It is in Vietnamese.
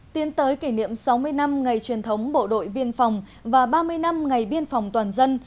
tiến tới kỷ niệm sáu mươi năm ngày truyền thống bộ đội biên phòng và ba mươi năm ngày biên phòng toàn dân